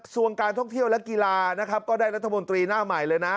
ซวงการท่อกเที่ยวและกีฬาก็ได้รัฐมนตรีหน้าใหม่เลยนะ